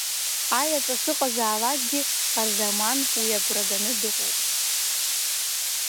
Аеҵәа шыҟазаалакгьы Харзаман уи агәра ганы дыҟоуп.